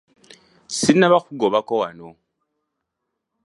Sinnaba kukugobako wano.